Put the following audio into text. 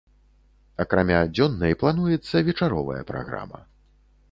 Акрамя дзённай плануецца вечаровая праграма.